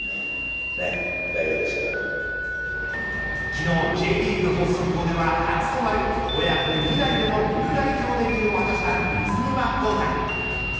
昨日Ｊリーグ発足後では初となる親子２代でのフル代表デビューを果たした水沼宏太。